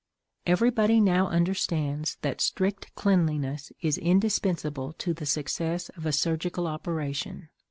Everybody now understands that strict cleanliness is indispensable to the success of a surgical operation.